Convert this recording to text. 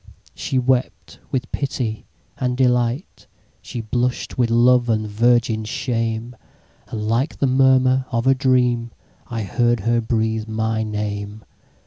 She wept with pity and delight, She blush'd with love and virgin shame; And like the murmur of a dream,I heard her breathe my name.